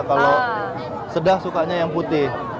kalau sedah sukanya yang putih